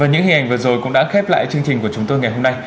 những hình ảnh vừa rồi cũng đã khép lại chương trình của chúng tôi ngày hôm nay